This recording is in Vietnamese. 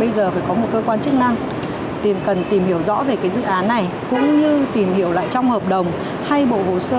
bây giờ phải có một cơ quan chức năng tìm cần tìm hiểu rõ về cái dự án này cũng như tìm hiểu lại trong hợp đồng hay bộ hồ sơ